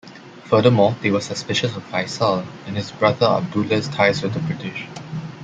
Furthermore, they were suspicious of Faisal, and his brother Abdullah's ties with the British.